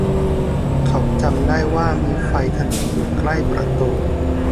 เขาจำได้ว่ามีไฟถนนอยู่ใกล้ประตู